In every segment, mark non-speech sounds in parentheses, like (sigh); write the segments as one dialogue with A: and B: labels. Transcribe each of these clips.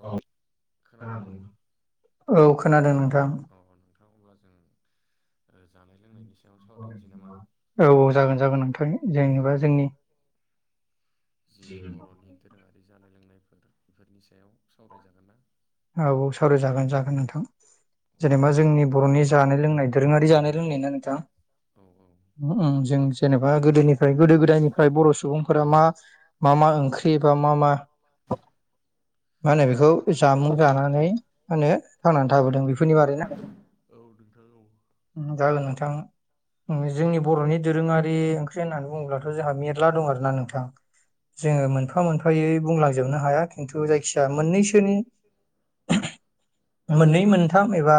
A: औ खोनादोंना?
B: औ खोनादों नोंथां।
A: अ नोंथां अब्ला जों ओ जानाय लोंनायनि
B: औ औ जागोन जागोन नोंथां जोंनिबा जोंनि
A: जि बर'नि दोरोङारि जानाय लोंनायफोर बेफोरनि सायाव सावरायजागोन ना?
B: औ सावरायजागोन जागोन नोंथां जेनेबा जोंनि बर'नि जानाय लोंनाय दोरोङारि जानाय लोंनाय ना नोंथां?
A: औ औ।
B: उम उम जों जेनेबा गोदोनिफ्राय गोदो गोदायनिफ्राय बर' सुबुंफोरा मा मा मा ओंख्रिबा मा मा मा होनो बेखौ जानानै मा होनो थांनानै थाबोदों बेफोरनि बारै ना? उम जागोन नोंथां। उम जोंनि बर'नि दोरोङारि ओंख्रि होननानै बुङोब्लाथ' जोंहा मेरला दं आरोना नोंथां। जोङो मोनफा मोनफायै बुंलांजोबनो हाया खिन्थु जायखिया मोननैसोनि मोननै, मोनथाम एबा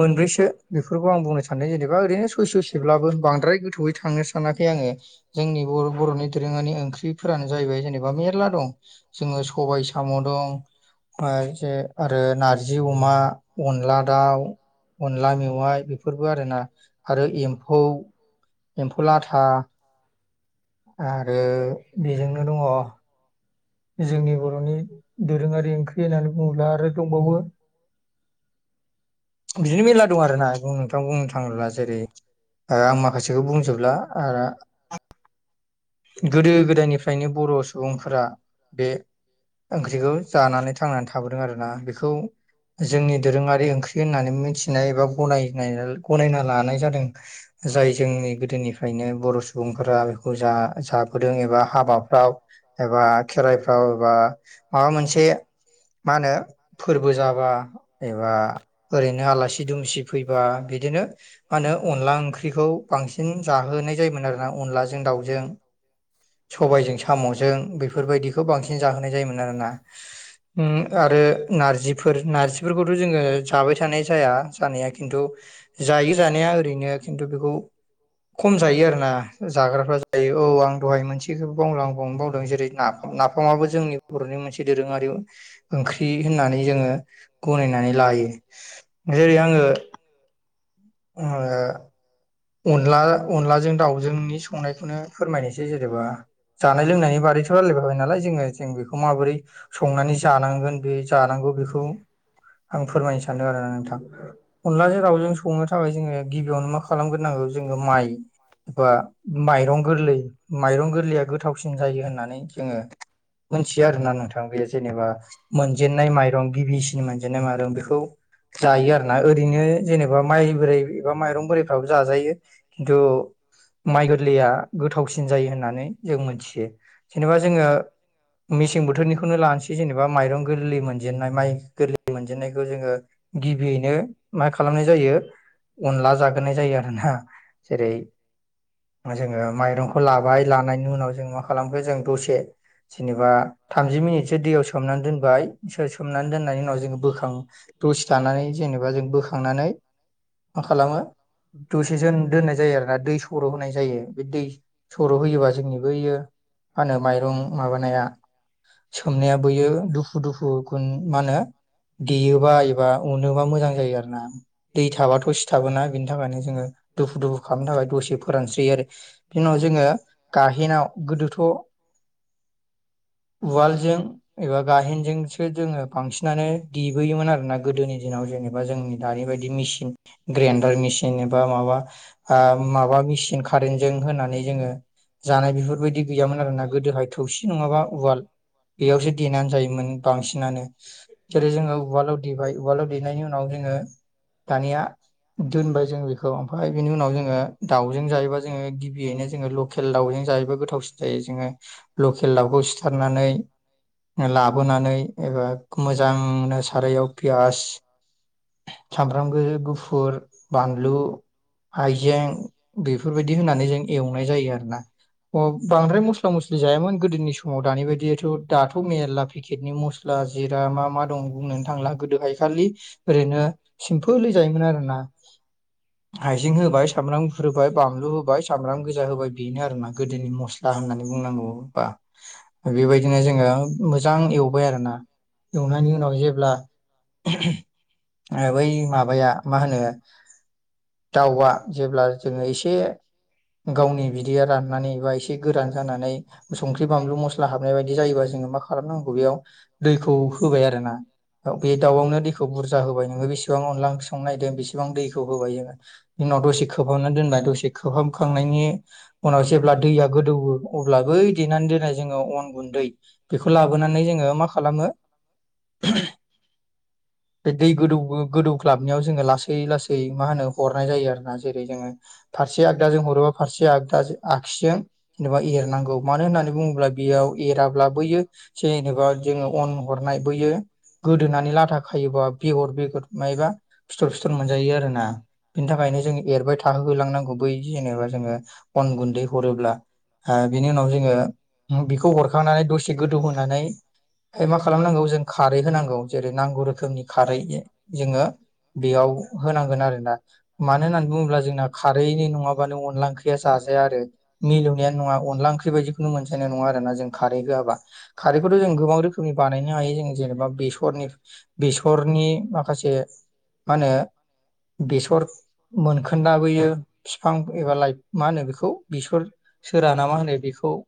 B: मोनब्रैसो बेफोरखौ आं बुंनो सानदों जेनेबा ओरैनो ससे ससेब्लाबो बांद्राय गोथौयै थांनो सानाखै आङो। जोंनि बर' बर'नि दोरोङारि ओंख्रिफोरानो जाहैबाय जेन जेनेबा मेरला दं जोङो सबाय साम' दं। आर जे आरो नारजि अमा, अनला दाउ। अनला मेवाइ बेफोरबो आरोना आरो एम्फौ। एम्फौ लाथा आरो बेजोंनो दङ जोंनि बर'नि दोरोङारि ओंख्रि होननानै बुङोब्ला आरो दंबावो बिदिनो मेरला दं आरो ना बुं नोंथां बुंनो थाङोब्ला जेरै ओ आं मा माखासेखौ बुंजोबला आरा गोदो गोदायनिफ्रायनो बर' सुबुंफोरा बे ओंख्रिखौ जानानै थांनानै थाबोदों आरोना बेखौ जोंनि दोरोङारि ओंख्रि होननानै मिथिनाय एबा गनायनाय गनायना लानाय जादों। जाय जोंनि गोदोनिफ्रायनो बर' सुबुंफोरा बेखौ जा जाबोदों एबा हाबाफ्राव एबा खेराइफ्राव एबा माबा मोनसे मा होनो फोरबो जाबा एबा ओरैनो आलासि दुमसि फैबा बिदिनो मा होनो अनला ओंख्रिखौ बांसिन जाहोनाय जायोमोन आरोना अनलाजों जों दावजों सबाइजों साम'जों बेफोरबायदिखौ बांसिन जाहोनाय जायोमोन आरोना। उम आरो नारजिफोर नारजिफोरखौथ' जोङो जाबाय थानाय जाया जानाया खिन्थु जायो जानाया ओरैनो खिन्थु बेखौ खम जायो आरोना जाग्राफ्रा ए औ आं दहाय मोनसेखौ बुंलाबावनो बावदों जेरै नाफाम नाफामाबो जोंनि बर'नि मोनसे दोरोङारि ओंख्रि होननानै जोङो गनायनानै लायो जेरै आङो। (inaudible) अनला अनलाजों दावजोंनि संनायखौनो फोरमायनोसै जेनेबा। जानाय लोंनायनि बारैथ' रायलायबोबाय नालाय जोङो जों बेखौ माबोरै संनानै जानांगोन बे जानांगौ बेखौ आं फोरमायनो सानदों आरोना नोंथां अनलाजों रावजों संनो थाखाय जोङो गिबियावनो मा खालामग्रो जोङो माइ बा माइरं गोरलै माइरं गोरलैया गोथाव गोथावसिन जायो होननानै जोङो। मोनथियो आरोना नोंथां बे जेनेबा मोनजेनन्नाय माइरं गिबिसिननि मोनसे बिदिनो माइरं बेखौ जायो आरोना ओरैनो जेनेबा माइ बोराइ एबा माइरं बोराइ थजाजायो किन्थु। माइ गोरलैया गोथावसिन जायो होननानै जों मोनथियो जेनेबा जोङो। मेसें बोथोरनिखौनो लानोसै जेनेबा माइरं गोरलै मोनजेननाय माइ गोरलै मोनजेननायखौ जोङो। गिबियैनो मा खालामनाय जायो अनला जागोन जाग्रोनाय जायो आरोना जेरै जोङो माइरंखौ लाबाय लानायनि उनाव जों मा खालामखो जों दसे जेनेबा थामजि मिनिटसो दैयाव सोमनानै दोनबाय सोमनानै दोननायनि उनाव जोङो बोखां दसे थानानै जेनेबा जों बोखांनानै मा खालामो दसे जों दोननाय जायो आरोना दै सर' होनाय जायो बे दै सर' होयोबा जोंनि बैयो। मा होनो माइरं माबानाया सोमनाया बैयो दुफु दुफु गुन मा होनो देयोबा एबा उनोबा मोजां जायो आरोना दै थाबाथ' सिथाबोना। बिनि थाखायनो जोङो दुफु दुफु खालामनो थाखाय दसे फोरानस्रियो आरो‌। बिनि उनाव जोङो गाहेनाव गोदोथ' उवालजों एबा गाहेनजोंसो जोङो। बांसिनानो देबोयोमोन आरोना गोदोनि दिनाव जेनेबा जोंनि दानि बायदि मेसिन। मेसिन एबा माबा माबा मेचन कारेन्टजों होनानै जोङो। जानाय बेफोरबायदि गैयामोन आरोना गोदोहाय थौसि नङाबा उवाल। बेयावसो देनानै जायोमोन बांसिन। बांसिनानो जेरै जोङो उवालाव देबाय उवालाव देनायनि उनाव जोङो दानिया। दोनबाय जों बेखौ ओमफ्राय बेनि उनाव जोङो दाउजों जायोबा जोङो गिबियैनो जोङो लकेल दाउजों जायोबा गोथावसिन जायो जोङो लकेल दाउखौ सिथारनानै लाबोनानै एबा मोजांनो सारायाव पियास सामब्राम गुफुर बानलु हाइजें बेफोर बेफोरबायदि होनानै जों एवनाय जायो आरोना। अ बांद्राय मस्ला मस्लि जायामोन गोदोनि समाव दानि बायदिथ' दाथ' मेरला। पेकेटनि मस्ला जिरा मा मा दं बुंनोननो थांला गोदोहाय खालि। ओरैनो सिमपोललि जायोमोन आरोना। हाइजें होबाय सामब्राम गुफुर होबाय बानलु होबाय। सामब्राम गोजा होबाय बेनो आरोना गोदोनि मस्ला होननानै बुंनांगौ होनबा। बेबायदिनो जोङो मोजां एवबाय आरोना एवनायनि उनाव जेब्ला बै माबाया मा होनो दाउआ जेब्ला जोङो एसे गावनि बिदैया राननानै बा एसे गोरान जानानै संख्रि बानलु मस्ला हाबनाय बायदि जायोबा जोङो मा खालामनांगौ बेयाव दैखौ होबाय आरोना बे दाउआवनो दैखौ बुरजा होबाय नोङो बेसेबां अनला ओंख्रि संनो नागिरदों बेसेबां दैखौ होबाय जोङो। दिनाव दसे खोबहाबना दोनबाय दसे खोबहाबखांनायनि उनाव जेब्ला दैया गोदौवो अब्ला बै देनानै दोननाय जोङो अन गुन्दै बेखौ लाबोनानै जोङो मा खालामो बे दै गोदौ गोदौफ्ला हमनायाव जोङो लासै लासै मा होनो हरनाय जायो आरोना जेरै जोङो फारसे आगदाजों हरोबा फारसे आगदा आगसिजों जेनेबा एरनांगौ मानो होननानै बुङोब्ला बेयाव एराब्ला बैयो। जेनेबा जोङो अन हरनाय बोयो गोदोनानै लाथा खायोबा बेगर बेगर मायबा फिथर फिथर मोनजायो आरोना बिनि थाखायनो जों एरबाय थाहोलांनांगौ बै जेनेबा जोङो अन गुन्दै हरोब्ला बिनि उनाव जोङो बेखौ हरखांनानै दसे गोदौ होनोनानै मा खालामनांगौ जों खारै होनांगौ जेरै नांगौ रोखोमनि खारै जोङो बेयाव होनांगोन आरोना मानो होननानै बुङोब्ला जोंना खारैनि नङाबा माब्लानो अनद ओख्रिया जाजाया आरो। मिलौनायानो नङा अनला ओंख्रि बायदिखौुननो मोनसायनाय नङा आरोना जों खारै होआबा खारैखौथ' जों गोबां रोखोमनि बानायनो हायो जों जेनेबा बेसरनि बेसरनि माखासे मा होनो बेसर मोनखोन लाबोयो। बिफां एबा लाइ मा होनो बेखौ बेसर सोराना मा होनो बेखौ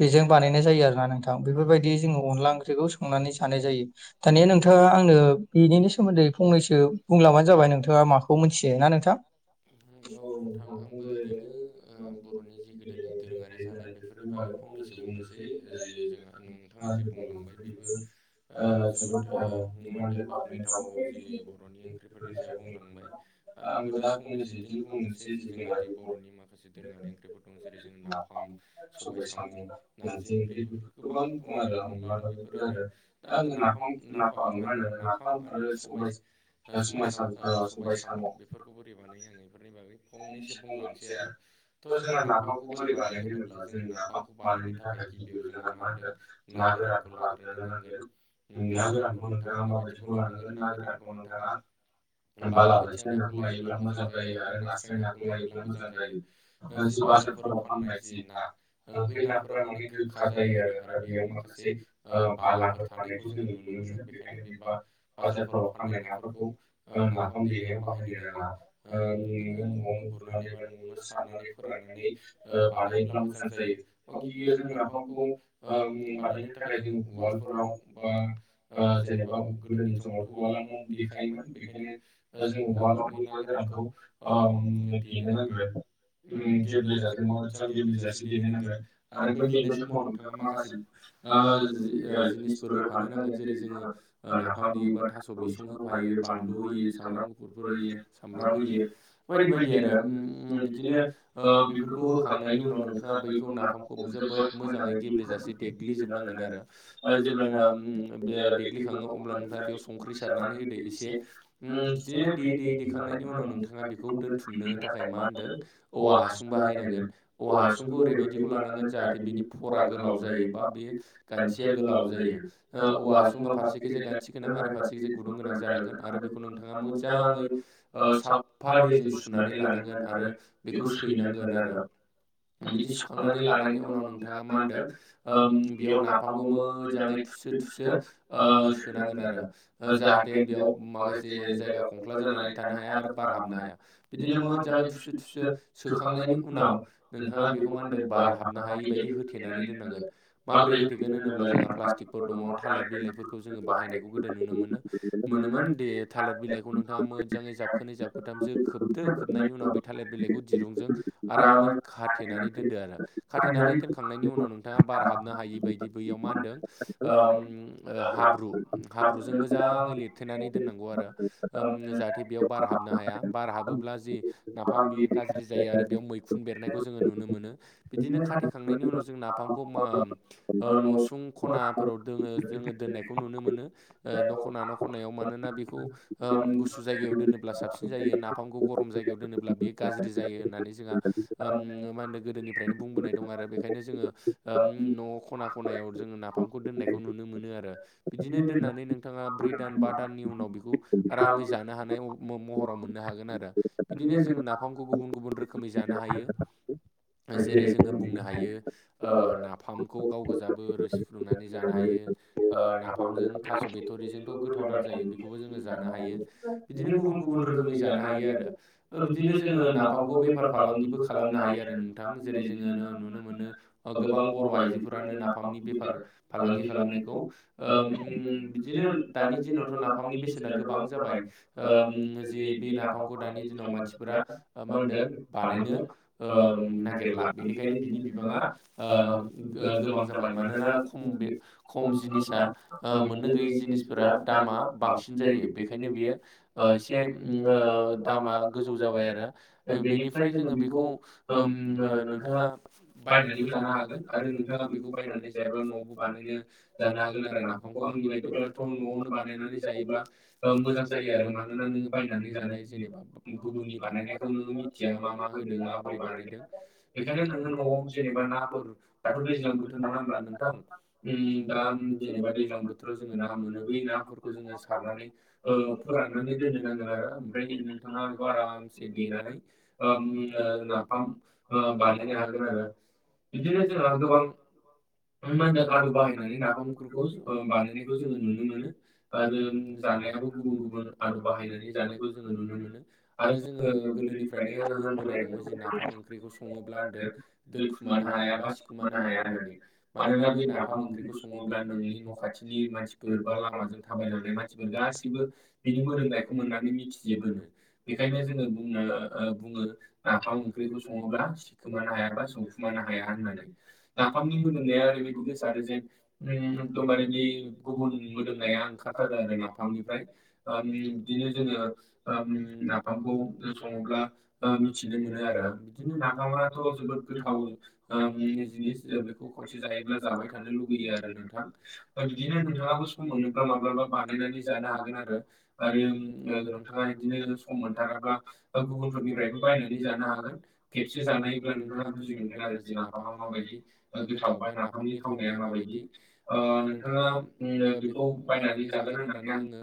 B: बेजों बानायनाय जायो आरो ना नोंथां बेफोरबायदि जोोंङो अनला ओंख्रिखौ संनानै सानाय जायो। दानिया नोंथाङा आंनो बिनिनि सोमोन्दै फंनैसो बुंलबानो जाबाय नोंथाङा माखौ मिन्थियो ना नोंथां।
A: औ नोंथां आंबो ओरैनो बर'नि जि गोदोनि दोरोङारि जानाय बेफोरनि बागै फंनैसो बुंनोसै ज जोंहा नोंथाङा जे बुंलांबाय बेबो जोबोद म मादों बाख्नायथाव जि बर'नि ओं ख्रिफोरनि सायाव बुंलांबाय आंबो दा फंनैसो बिदिनो बुंनोसै जे जोंहा दि बर'नि माखासे दोरोङारि ओंख्रि ओंख्रिफोर दं जेरै जों नाफाम सबाय साम' नारजि ओंख्रि बेफोर गोबां दं आरो अनला दाउ बेफोर आरो दा आङो नाफामफ मा होनो नाफाम आरो सबाय सम सबाय साम' बेफोरखौ बोरै बानै आं बेफोरनि बागै फंनैसो बुंलांनोसै आरो थ' जोंहा नाफामखौ बोरै बानायो होनोब्ला जोङो नाफामखौ बानायनो थाखाय गिबियाव जोंहा मा होनदों ना गोरानखौ लाग्रोनो नांगोन।
B: ना गोरानखौ नोंथाङा माबायदिखौ लानोन ना गोरानखौ नोंथाङा
A: बालाबोथिया नाखौ लायोब्ला मोजां जायो आरो नास्राय नाखौ लायोब्ला मोजां जायो। जि बाजारफोराव फाननाय जि ना बै नाफोरा माने गोखा जायो आरो आरो बेयाव माखासे बालाफोर थानायखौ जोङो नुनो मोनो बेखायनो बे बा बाजारफोराव नाफोरखौ नाफाम देनायाव बाहायनो नाङा‌ नोङो न'यावनो गुर नानै बा न'आवनो सारनानै फोराननानै बानायोब्ला मोजां जायो ब गिबियाव जों नाफामखौ बानायनो थाखाय जोङो वालफोराव बा जेनेबा गोदोनि समावथ' उवाला न देखायोमोन बेनिखायनो जों वाल्डआव ब ना गोरानखौ देनो नांगोन गेब्लेजासे मोजां गेब्लेेजासे देेन नांगोन आरो बे देनाय समाव नोंथाङा माखासे जिनिसफोर होफानो नांगोन जेरै जोङो नाफाम देयो एबा थास' बिसं होफायो बानलु होयो सामब्राम गुफुरफोर होयो सामब्राम होयो बायदि बायदि आरो ओम बिदिनो बेफोरखौ होखांनायनि उनाव नोंथाङा बैखौ नाफामखौ जोबोद मोजाङै गेब्लेेजासे देग्लि जोबनांगोन आरो जे्ल देग्लिखाङो अ नोंथाङ बेयाव संख्रि सारनानै होदो एसे बिदिनो देयै देयै देखांनायनि उनाव नोंथाङा बेखौ दोनथुमनो थाखाय मा होनदों औवा हासुं बाहायनांगोन औवा हासुंखौ ओरैबायदिखौ लानांगोन जाहाथे बिनि फरा गोलाव जायोबा बेयो गानसिया गोलाव जायो औवा हासुङा फारसेखैजाय गानसि गोनां आरो फारसेखजाय गुदुं गोनां जानांगोन आरो बेखौ नोंथाङा मोजाङै साफा दैजों सुनानै लानांगोन आरो। बेखौ सैनांगोन आरो। बिदि सुखांनानै लानायनि उनाव नोंथाङा मा होनदों ओम बेयाव नाफामखौ मो मोजाङै थुसो थुसो ओ सोनांगोन आरो। ओ जाहाथे बेयाव माखासे जायगा खंख्ला जानानै थानो हाया आरो बार हाबनो हाया। बिदिनो मोजाङै थुसो थुसो सोखांनायनि उनाव नोंथाङा बेखौ मा होनदों बार हाबनो हायि बायदि होथे थेनानै दोननांगोन माब्रै होथेगोन होनोब्ला जोंहाफ प्लास्टिकफोर दङ थालिर बिलाइफोरखौ जोङो बाहायनायखौ गोदो नुनो मोनो। मोनोमोन दि थालिर बिलाइखौ नोंथाङा मोजाङै जाबखोनै जाबखोथामसो खोब दो खोबनायनि उनाव बै थालिर बिलाइखौ दिरुंजों आरामै खाथेनानै दोनदो आरो खाथेनानै दोनखांनायनि नि उनाव नोंथाङा बार हाबनो हायि बायदि बैयाव मा होनदों ओम ओ हाब्रु हाब्रुजों मोजाङै लिरथेनानै दोननांगौ आरो ओम जाहाथ थे बेयाव बार हाबनो हाया बार हाबोब्ला जि नाफाम बेयो गाज्रि जायो आरो बेयाव मैखुन बेरनायखौ जोङो नुनो मोनो। बिदिनो खाथेखांनायनि उनाव जों नाफामखौम ओम ओ न'सुं ख'नाफोराव दोङो जोङो दोननायखौ नुनो मोनो ओ न'ख'ना न'ख'नायाव मानोना बेखौ ओम गुसु जायगायाव दोनोब्ला साबसिन जायो नाफामखौ गरम जायगायाव दोनोब्ला बियो गाज्रि जायो होननानै जोंहा ओम मा होनो गोदोनिफ्रायनो बुंबोनाय दं आरो बेखायनो जोङो ओम न'आव ख'ना ख'नायाव जोङो ना फामखौ दोन्नायखौ नुनो मोनो आरो बिदिनो दोननानै नोंथाङा ब्रै दान बा दाननि उनाव बेखौ आरामै जानो हानाय म-म-महराव मोननो हागोन आरो। बिदिनो जोङो नाफ फामखौ गुबुन गुबुन रोखोमै जानो हायो जेरै जोङो बुंनो हायो ओ नाफामखौ गाव गोजाबो रोसि फुदुंनानै जानो हायो ओ नाफामजों थ' बिथ'रिजों थ' गोथावदार जायो बेखौबो जोङो जानो हायो बिदिनो गुबुन गुबुन रोखोमै जानो हायो आरो। बिदिनो जोङो नाफामखौ बेफार फालांगिबो खालामनो हायो आरो नोंथां जेरै जोङो नो-नुनो मोनो ओ गोबां बर' आइजोफोरानो नाफामनि बेफार फालांगि खालामनायखौ ओम बिदिनो दानि जि दिनावथ' नाफामनि बेसेना गोबां जाबाय ओम जि बे नाफामखौ दानि दिनाव मानसिफोरा ओ मा होनदों बानायनो ओम नागिरला बेनिखायनो बिनि बिबाङा ओम ओ गोबां जाबाय मानोना खम बे खम जिनिसा ओ मोननो गैयै जिनिसफोरा दामा बांसिन जायो बेखायनो बेयो ओ एसे ओ दामा गोजौ जाबाय आरो बेनिफ्राय जोङो बेखौ ओम ओ नोंथाङा बायनानैबो जानो हागोन आरो नोंथाङा बेखौ बायनानै जायाब्ला न'आवबो बानायनो जानो हागोन आरो नाफामखौ आंनि बायदिब्लाथ' न'आव बानायनानै जायोब्ला ओ मोजां जायो आरो मानोना नोङो बायनानै जानाय जेनेबा गुबुननि बानायनायखौ नोङो मिथिया मा मा होदों माबोरै बानायदों बेखायनो नोङो न'आव जेनेबा नाफ फोर दाथ' दैज्लां बोथोर नङा होनब्ला नों थां उम दा उम जेनेबा दैज्लां बोथोराव जोङो ना मोनो बै नाफोर खौ जोङो सारनानै ओ फोराननानै दोननो नांगोन आरो ओमफ्राय नोंथाङा बेखौ आरामसे देनानै ओम ओ नाफाम ओ बानायनो हागोन आरो बिदिनो जोंहा गोबां उम मा होनदों आदब बाहायनानै नाफामफुरखौ ओ बानायनायखौ जोङो नुनो मोनो। आरो उम जानायाबो गुबुन गुबुन आदब बाहायनानै जानायखौ जोङो नुनो मोनो। आरो जोङो गोदोनिफ्रायनो होनबोनाय दङ जि नाफाम ओंख्रिखौ सङोब्ला होनदों दोनखुमानो हाया बा सिखुमानो हाया होननानै। मानोना बे नाफाम ओंख्रिखौ सङोब्ला नोंनि न' खाथिनि मानसिफोर बा लामाजों था थाबायलांनाय मानसिफोर गाससिबो बिनि मोदोमनायखौ मोननानै मिथिजोबोनो। बेखायनो जोङो बुंनो ओ बुङो नाफाम ओंख्रिखौ सङोब्ला सिखोमानो हायाबा संखु खुमानो हाया होननानै। नाफामनि मोदोम नाया ओरैबायदि गोसारो जेन उम एखदमबारे बे गुबुन मोदोमनाया ओंखार थारो आरो नाफामनिफ्राय ओम बिदिनो जोङो ओम नाफामखौ सङोब्ला ओ मिथिनो मोनो आरो बिदिनो नाफामाथ' जोबोद गोथाव ओम जिनिस बेखौ खनसे जायोब्ला जाबाय थानो लुुबैयो आरो नोंथां बिदिनो नोंथाङाबो सम मोनोब ब्ला माब्लाबा बानायनानै जानो हागोन आरो ओम नोंथाङा बिदिनो सम मोनथाराब्ला गुबुनफोरनिफ्रायबो बायनानै जानो हागोन खेबसे जानायब्ला नोंथाङा बुजि मोनगोन आरो ज न माबादि गोथाव बा नाफामनि थावनाया माबायदि ओ नोंथाङा उम बेखौ बायनानै जागोन होननानै आङो